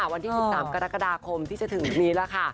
วันที่๑๓กรกฎาคมที่จะถึงนี้ล่ะค่ะ